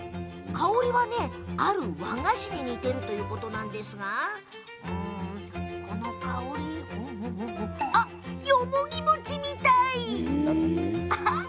香りは、ある和菓子に似ていると言うことなんですがこの香りはあ、よもぎ餅みたい。